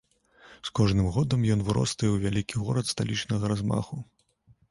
З кожным годам ён выростае ў вялікі горад сталічнага размаху.